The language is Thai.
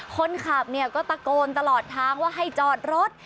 คนขับเนี่ยก็ตะโกนตลอดทางว่าให้จอดรถ